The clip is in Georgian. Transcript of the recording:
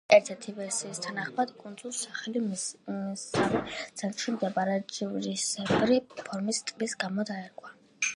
ასევე, ერთ-ერთი ვერსიის თანახმად კუნძულს სახელი მისსავე ცენტრში მდებარე ჯვრისებრი ფორმის ტბის გამო დაერქვა.